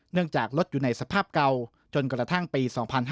จากรถอยู่ในสภาพเก่าจนกระทั่งปี๒๕๕๙